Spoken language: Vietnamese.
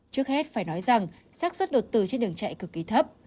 trước hết phải nói rằng sát xuất đột từ trên đường chạy cực kỳ thấp